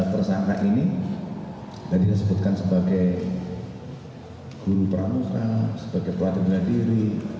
tersangka ini tadi disebutkan sebagai guru perangusnya sebagai pelatih beradiri